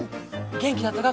元気だったか？